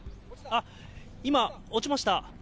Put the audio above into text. あっ、今、落ちました！